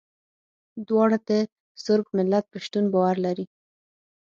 دواړه د صرب ملت پر شتون باور لري.